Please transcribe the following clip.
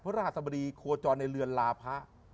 เพราะราศบดีโคจรในเรือนราพะ